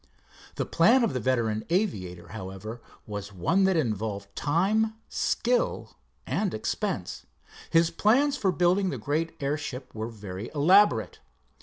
The plan of the veteran aviator, however, was one that involved time, skill and expense. His plans for building the great airship were very elaborate.